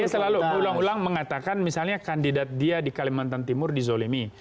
tapi psb selalu ulang ulang mengatakan misalnya kandidat dia di kalimantan timur di zolimi